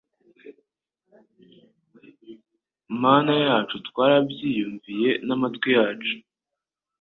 Mana yacu twarabyiyumviye n’amatwi yacu